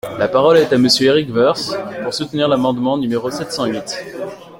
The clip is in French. La parole est à Monsieur Éric Woerth, pour soutenir l’amendement numéro sept cent huit.